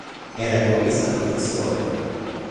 Era economista di professione.